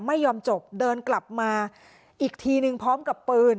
ไม่ยอมจบเดินกลับมาอีกทีนึงพร้อมกับปืน